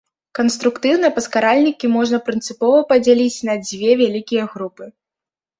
Канструктыўна паскаральнікі можна прынцыпова падзяліць на дзве вялікія групы.